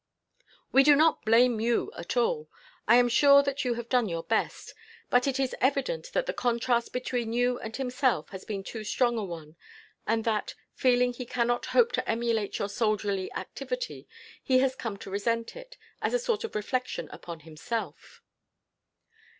"We do not blame you at all. I am sure that you have done your best. But it is evident that the contrast between you and himself has been too strong a one; and that, feeling he cannot hope to emulate your soldierly activity, he has come to resent it, as a sort of reflection upon himself."